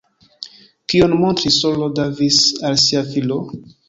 Kion montris S-ro Davis al sia filo?